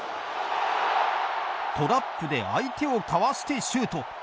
トラップで相手をかわしてシュート。